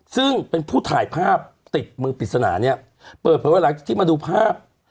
ซึ่งเป็นผู้ถ่ายภาพติดมือปริศนาเนี่ยเปิดเผยว่าหลังจากที่มาดูภาพ